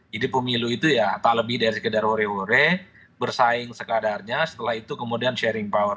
jadi pemilu itu ya tak lebih dari sekedar wore wore bersaing sekadarnya setelah itu kemudian sharing power